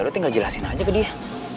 ya lo tinggal jelasin aja ke dia